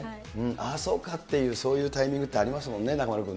ああそうかっていうそういうタイミングでありますもんね、中丸君